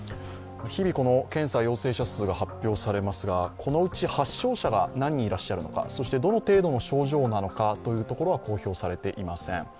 日々、検査陽性者数が発表されますが、このうち発症者が何人いらっしゃるのか、そしてどの程度の症状なのかは公表されていません。